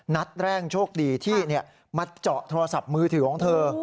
นัดแรกโชคดีที่มาเจาะโทรศัพท์มือถือของเธอ